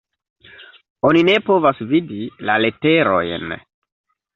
Oni ne povas vidi la leterojn.